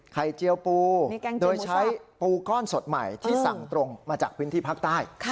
เจียวปูโดยใช้ปูก้อนสดใหม่ที่สั่งตรงมาจากพื้นที่ภาคใต้